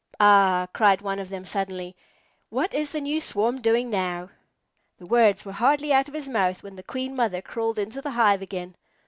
"Ah," cried one of them suddenly, "what is the new swarm doing now?" The words were hardly out of his mouth when the Queen Mother crawled into the hive again.